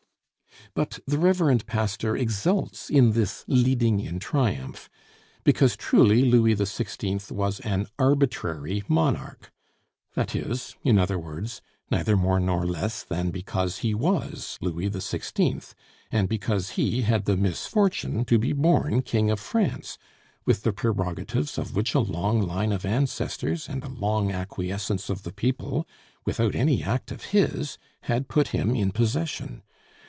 But the reverend pastor exults in this "leading in triumph," because truly Louis the Sixteenth was "an arbitrary monarch"; that is, in other words, neither more nor less than because he was Louis the Sixteenth, and because he had the misfortune to be born King of France, with the prerogatives of which a long line of ancestors, and a long acquiescence of the people, without any act of his, had put him in possession.